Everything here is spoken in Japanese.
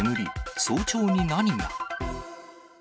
早朝に何が。